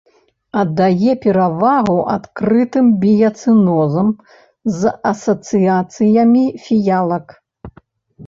Аддае перавагу адкрытым біяцэнозам з асацыяцыямі фіялак.